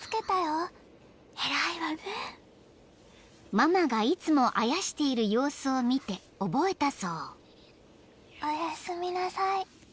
［ママがいつもあやしている様子を見て覚えたそう］